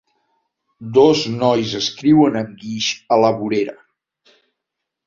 Dos nois escriuen amb guix a la vorera.